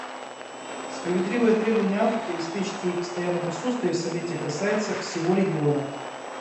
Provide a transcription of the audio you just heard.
Справедливое требование Африки обеспечить ей постоянное присутствие в Совете касается всего региона.